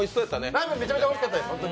ラーメンめちゃめちゃおいしかったです。